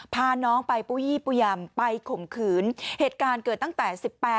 พาน้องไปปูยี่ปูยำไปข่มขืนเหตุการณ์เกิดตั้งแต่๑๘